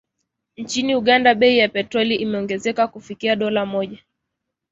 Nchini Uganda, bei ya petroli imeongezeka kufikia dola moja.